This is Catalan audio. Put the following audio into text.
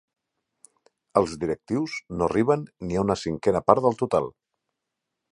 Els directius no arriben ni a una cinquena part del total.